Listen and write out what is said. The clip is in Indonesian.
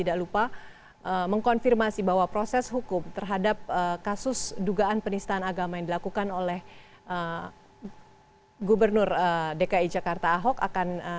saya minta para penjurasa untuk kembali ke tempat yang telah ditemukan